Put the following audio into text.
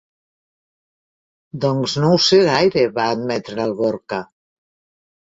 Doncs no ho sé gaire —va admetre el Gorka—.